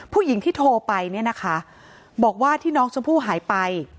ผู้หญิงที่โทรไปเนี่ยนะคะบอกว่าที่น้องชมพู่หายไป